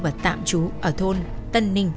và tạm trú ở thôn tân ninh